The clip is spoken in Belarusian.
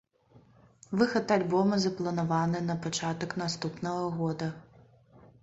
Выхад альбома запланаваны на пачатак наступнага года.